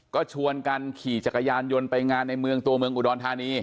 ก็ชวนกันขี่จักรยานยนต์ไปงานในเมืองตัวเมืองอุดรธานี